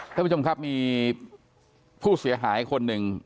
ท่านผู้ชมครับมีผู้เสียหายคนหนึ่ง